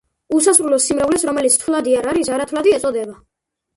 უსასრულო სიმრავლეს, რომელიც თვლადი არ არის, არათვლადი ეწოდება.